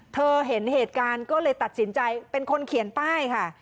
เห็นเหตุการณ์ก็เลยตัดสินใจเป็นคนเขียนป้ายค่ะ